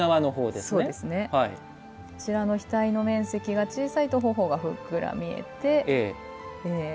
こちらの額の面積が小さいと頬がふっくら見えて。